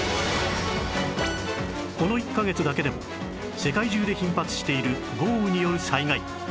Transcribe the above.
この１カ月だけでも世界中で頻発している豪雨による災害